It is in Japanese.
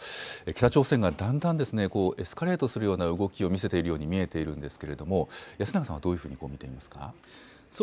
北朝鮮がだんだんエスカレートするような動きを見せているように見えているんですけれども、安永さんはどういうふうに見ていますか。